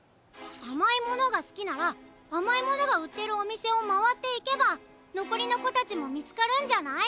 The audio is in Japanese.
あまいものがすきならあまいものがうってるおみせをまわっていけばのこりのこたちもみつかるんじゃない？